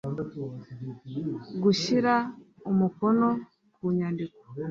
gushyira umukono ku nyandiko